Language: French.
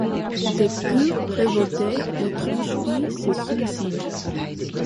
Déçue, révoltée, l'étrange fille se suicide.